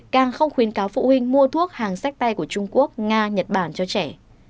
càng không khuyến cáo phụ huynh mua thuốc hàng sách tay của trung quốc nga nhật bản cho trẻ